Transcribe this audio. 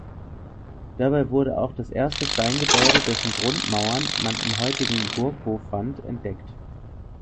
Dabei wurde auch das erste Steingebäude, dessen Grundmauern man im heutigen Burghof fand, entdeckt.